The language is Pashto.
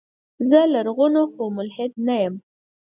زه لرغون خو ملحد نه يم.